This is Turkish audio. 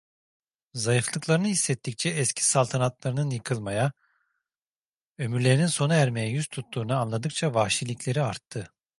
Zayıflıklarını hissettikçe, eski saltanatlarının yıkılmaya, ömürlerinin sona ermeye yüz tutuğunu anladıkça vahşilikleri arttı.